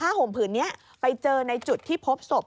ห่มผืนนี้ไปเจอในจุดที่พบศพ